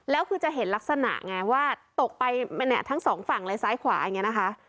แล้วคือจะเห็นลักษณะไงว่าตกไปเนี่ยทั้งสองฝั่งเลยซ้ายขวาอย่างนี้นะคะ